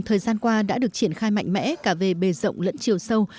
thời gian qua đã được triển khai mạnh mẽ cả về bề rộng lẫn chiều sâu